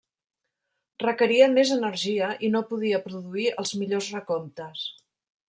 Requeria més energia i no podia produir els millors recomptes.